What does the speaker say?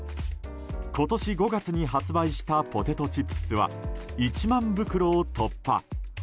今年５月に発売したポテトチップスは１万袋を突破。